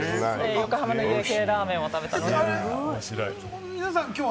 横浜の家系ラーメンを食べたのは。